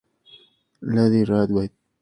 Lady Rawhide.